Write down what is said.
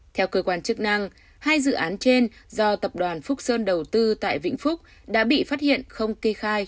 theo cơ quan chức năng hai dự án trên do tập đoàn phúc sơn đầu tư tại vĩnh phúc đã bị phát hiện không kê khai